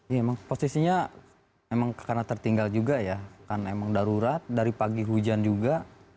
iya emang posisinya emang karena tertinggal juga ya karena emang darurat dari pagi hujan juga